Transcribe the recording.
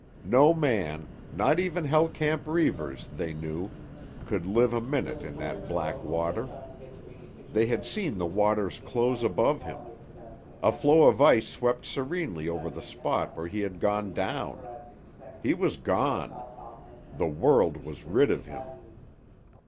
No man, not even Hell Camp Reivers, they knew, could live a minute in that black water. They had seen the waters close above him; a floe of ice swept serenely over the spot where he had gone down. He was gone. The world was rid of him.